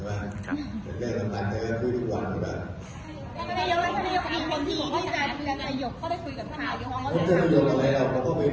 มันก็ไม่ได้หลัดข้อมูลเลยใช่ไหม